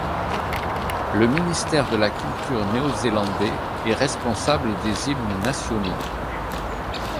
Le ministère de la culture néo-zélandais est responsable des hymnes nationaux.